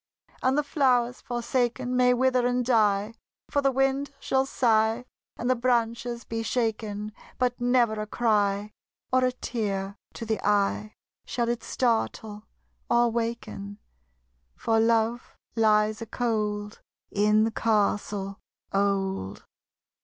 And the flowers, forsaken, May wither and die: For the wind shall sigh, And the branches be shaken; But never a cry. Or a tear to the eye, Shall it startle or waken: For Love lies a cold In the castle old.